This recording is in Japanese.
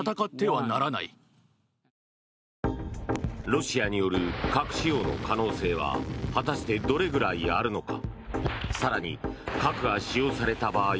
ロシアによる核使用の可能性は果たして、どれぐらいあるのか。